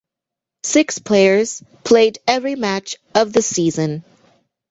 Six players played every match of the season.